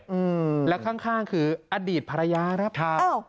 อืมแล้วข้างคืออดีตภรรยาครับเอ่อ